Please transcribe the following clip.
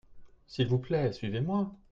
s'il vous plait suivez-moi.